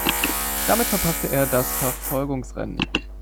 Damit verpasste er das Verfolgungsrennen.